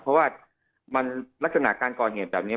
เพราะว่ามันลักษณะการก่อเหตุแบบนี้